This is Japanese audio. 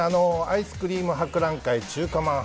アイスクリーム博覧会中華まん